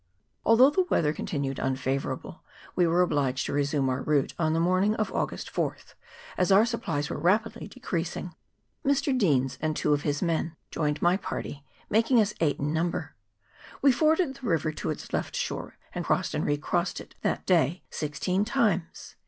Although the weather continued unfavourable, we were obliged to resume our route on the morn ing of August 4th, as our supplies were rapidly decreasing. Mr. Deans and two of his men joined my party, making us eight in number. We forded the river to its left shore, and crossed and recrossed it that day sixteen times.